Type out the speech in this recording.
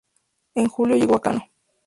En julio llegó a Kano.